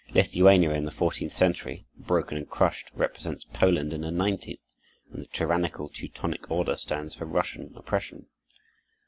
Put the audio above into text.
Lithuania in the fourteenth century, broken and crushed, represents Poland in the nineteenth, and the tyrannical Teutonic Order stands for Russian oppression.